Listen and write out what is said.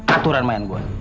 aturan main gue